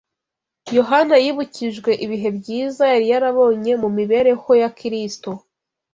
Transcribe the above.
Yohana yibukijwe ibihe byiza yari yarabonye mu mibereho ya Kristo